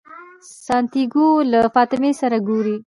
سانتیاګو له فاطمې سره ګوري.